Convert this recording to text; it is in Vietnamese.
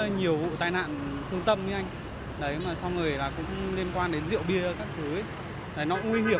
nhiều tài nạn thương tâm như anh sau người cũng liên quan đến rượu bia các thứ nó nguy hiểm